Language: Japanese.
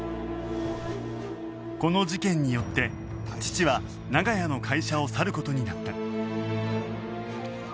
この事件によって父は長屋の会社を去る事になった